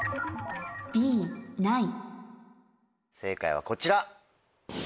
正解はこちら。